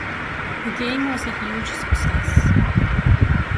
The game was a huge success.